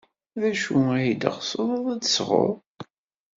D acu ay teɣsed ad d-tesɣed?